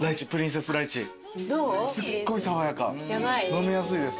飲みやすいです。